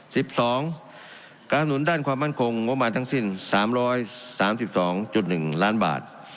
สิบสองการหนุนด้านความมั่นคงงบมาทั้งสิ้นสามร้อยสามสิบสองจุดหนึ่งล้านบาท